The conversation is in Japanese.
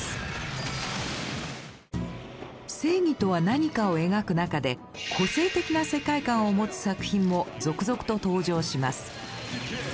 正義とは何かを描く中で個性的な世界観を持つ作品も続々と登場します。